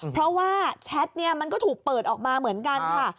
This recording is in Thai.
เพราะว่าแชทเนี่ยมันก็ถูกเปิดออกมาเหมือนกันค่ะ